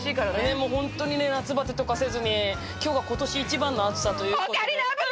もうホントにね夏バテとかせずに今日が今年一番の暑さということで。